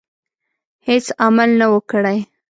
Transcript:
هیڅ عمل نه وو کړی.